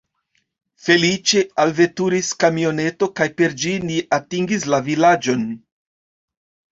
Feliĉe alveturis kamioneto kaj per ĝi ni atingis la vilaĝon.